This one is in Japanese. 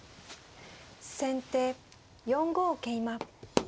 先手４五桂馬。